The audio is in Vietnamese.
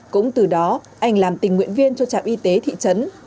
cũng từ đó anh làm tình nguyện viên cho trạm y tế thị trấn